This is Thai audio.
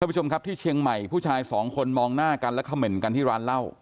ผู้ชมครับที่เชียงใหม่ผู้ชายสองคนมองหน้ากันและเขม่นกันที่ร้านเหล้า